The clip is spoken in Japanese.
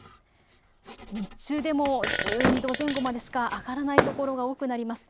日中でも１２度前後までしか上がらないところが多くなります。